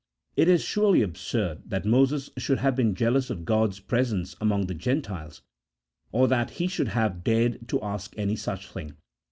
It is surely absurd that Moses should have been jealous of God's presence among the Gentiles, or that he should have dared to ask any such thing.